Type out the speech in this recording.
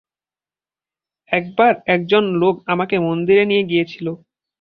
একবার একজন লোক আমাকে মন্দিরে নিয়ে গিয়েছিল।